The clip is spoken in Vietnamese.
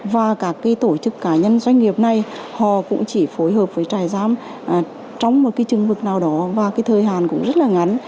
và các tổ chức cá nhân doanh nghiệp này họ cũng chỉ phối hợp với trại giam trong một trường vực nào đó và thời hạn cũng rất ngắn